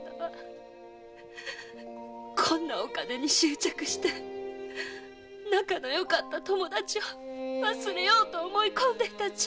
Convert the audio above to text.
こんなお金に執着して仲の良かった友達を忘れようと思いこんでいた自分が。